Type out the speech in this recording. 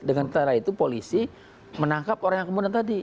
dengan cara itu polisi menangkap orang yang kemudian tadi